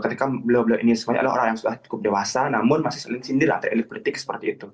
ketika beliau beliau ini semuanya adalah orang yang sudah cukup dewasa namun masih sindir atau elit politik seperti itu